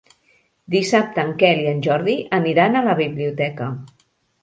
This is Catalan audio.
Dissabte en Quel i en Jordi aniran a la biblioteca.